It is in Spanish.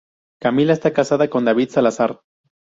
Camila está casada con David Salazar.